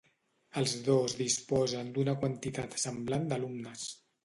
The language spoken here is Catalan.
Els dos disposen d'una quantitat semblant d'alumnes.